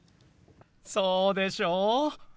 そうでしょ。